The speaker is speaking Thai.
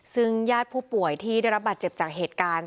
ซึ่งญาติผู้ป่วยที่ได้รับบาดเจ็บจากเหตุการณ์